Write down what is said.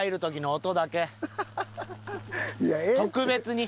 特別に！